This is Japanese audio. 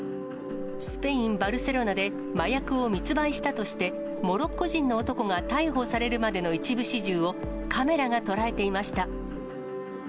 スペイン・バルセロナで麻薬を密売したとして、モロッコ人の男が逮捕されるまでの一部始終をカメラが捉えていました。